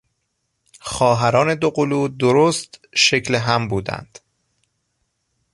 خواهران دوقلو درست شکل هم بودند.